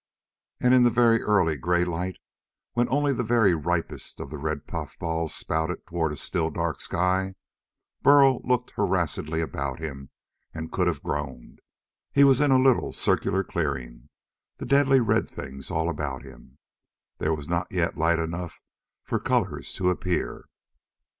And in the very early gray light when only the very ripest of the red puffballs spouted toward a still dark sky Burl looked harassedly about him and could have groaned. He was in a little circular clearing, the deadly red things all about him. There was not yet light enough for colors to appear.